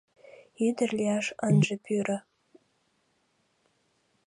Ӱдыр лияш ынже пӱрӧ.